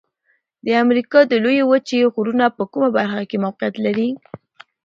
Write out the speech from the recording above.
د امریکا د لویې وچې غرونه په کومه برخه کې موقعیت لري؟